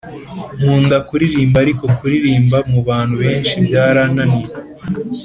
Nkunda kuririmba ariko kuririmbira mubantu benshi byarananiye